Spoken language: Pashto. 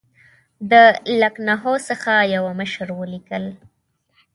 د لکنهو څخه یوه مشر ولیکل.